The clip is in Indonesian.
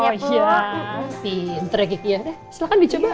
pinter ya silahkan dicoba